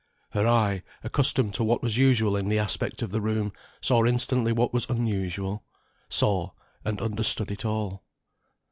Her eye, accustomed to what was usual in the aspect of the room, saw instantly what was unusual, saw, and understood it all.